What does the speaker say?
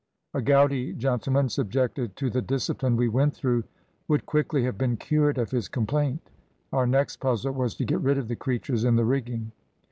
A gouty gentleman, subjected to the discipline we went through, would quickly have been cured of his complaint. Our next puzzle was to get rid of the creatures in the rigging.